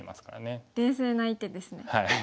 冷静な一手ですね。